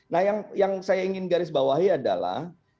nah yang saya ingin garis bawahi adalah